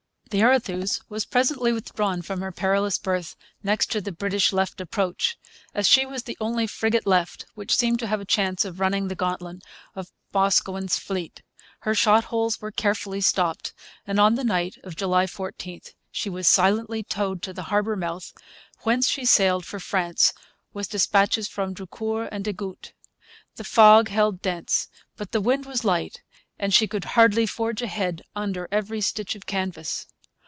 The Arethuse was presently withdrawn from her perilous berth next to the British left approach, as she was the only frigate left which seemed to have a chance of running the gauntlet of Boscawen's fleet. Her shot holes were carefully stopped; and on the night of July 14, she was silently towed to the harbour mouth, whence she sailed for France with dispatches from Drucour and des Gouttes. The fog held dense, but the wind was light, and she could hardly forge ahead under every stitch of canvas.